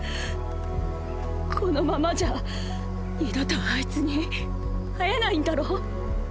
このままじゃ二度とあいつに会えないんだろ？